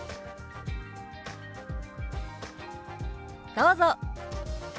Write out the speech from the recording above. どうぞ。